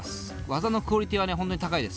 技のクオリティーは本当に高いです。